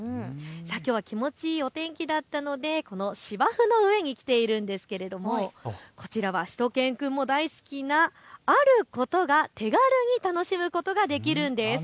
きょうは気持ちいいお天気だったもので、この芝生の上に来ているんですが、こちらはしゅと犬くんも大好きなあることが手軽に楽しむことができるんです。